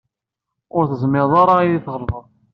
Ur tezmireḍ ad yi-tɣelbeḍ.